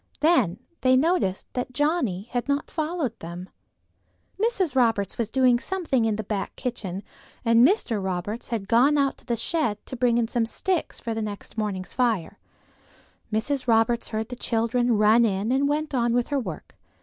Then they noticed that Johnnie had not followed them. Mrs. Roberts was doing something in the back kitchen, and Mr. Roberts had gone out to the shed to bring in some sticks for the next morning's fire. Mrs. Roberts heard the children run in and went on with her work.